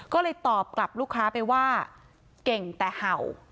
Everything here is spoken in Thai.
ก็เลยตอบกลับลูกค้าไปว่าเก่งแต่เห่า